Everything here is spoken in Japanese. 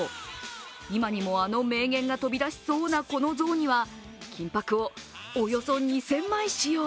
今にも、あの名言が飛び出しそうなこの像には金ぱくをおよそ２０００枚使用。